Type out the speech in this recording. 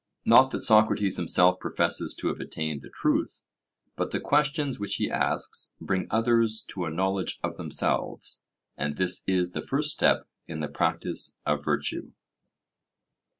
Not that Socrates himself professes to have attained the truth, but the questions which he asks bring others to a knowledge of themselves, and this is the first step in the practice of virtue.